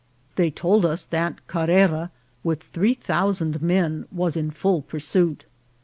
They told us that Carrera, with three thousand men, was in full pursuit.